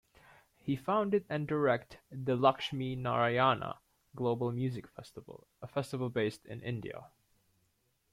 He founded and directs the Lakshminarayana Global Music Festival, a festival based in India.